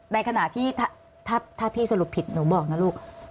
ในขณะที่ถ้าพี่สรุปผิดหนูบอกนะลูก